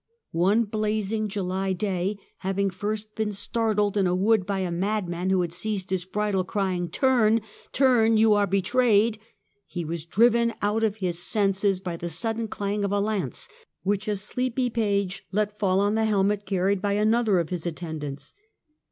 One blazing July day, having first been startled in a wood by a madman who had seized his bridle, crying " Turn, turn, you are be trayed," he was driven out of his senses by the sudden clang of a lance which a sleepy page let fall on the helmet carried by another of his attendants.